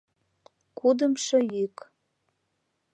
Кудымшо йӱк.